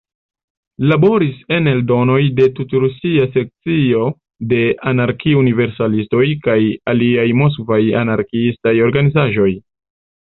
Laboris en eldonoj de "Tut-Rusia sekcio de anarki-universalistoj" kaj aliaj moskvaj anarkiistaj organizaĵoj.